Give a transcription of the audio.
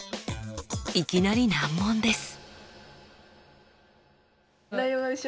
いきなり難問です。